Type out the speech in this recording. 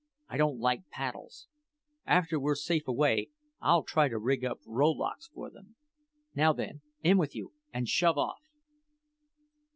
I don't like paddles. After we're safe away, I'll try to rig up rowlocks for them." "Now, then, in with you and shove off!"